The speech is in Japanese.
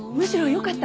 よかった？